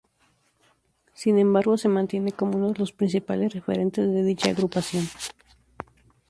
Sin embargo, se mantiene como uno de los principales referentes de dicha agrupación.